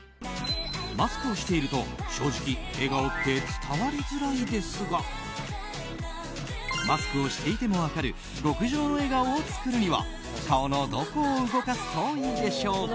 マスクをしていると正直笑顔って伝わりづらいですがマスクをしていても分かる極上の笑顔を作るには顔のどこを動かすといいでしょうか。